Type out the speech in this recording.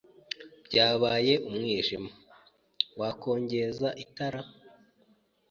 Byabaye umwijima. Wakongeza itara?